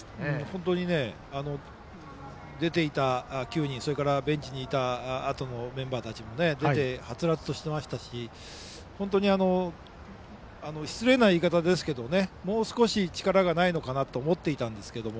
本当に、出ていた９人それからベンチにいたあとのメンバーたちもはつらつとしていましたし失礼な言い方ですけどもう少し力がないのかなと思っていたんですが。